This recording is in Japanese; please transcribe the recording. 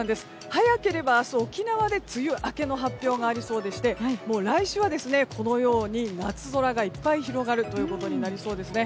早ければ明日、沖縄で梅雨明けの発表がありそうで来週はこのように夏空がいっぱい広がるということになりそうですね。